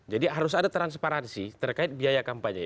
harus ada transparansi terkait biaya kampanye